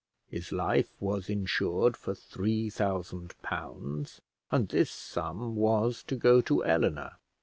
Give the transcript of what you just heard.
His life was insured for three thousand pounds, and this sum was to go to Eleanor.